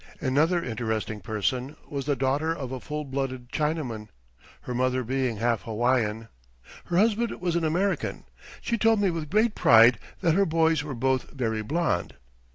Another interesting person was the daughter of a full blooded Chinaman, her mother being half Hawaiian. Her husband was an American. She told me with great pride that her boys were both very blond.